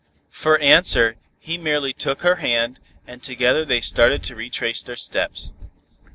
For answer, he merely took her hand, and together they started to retrace their steps.